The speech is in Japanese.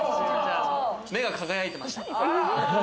目が輝いてました。